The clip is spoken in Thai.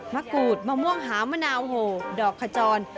กูดมะม่วงหาวมะนาวโหดอกขจร